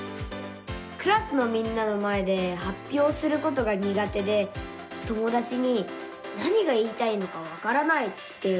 クラスのみんなの前ではっぴょうすることがにが手で友だちに「何が言いたいのかわからない」って言われちゃうんです。